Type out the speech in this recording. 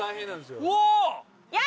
うわ！